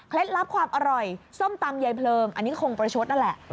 ลับความอร่อยส้มตำใยเพลิงอันนี้คงประชดนั่นแหละ